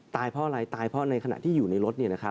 ตายเพราะอะไรตายเพราะในขณะที่อยู่ในรถ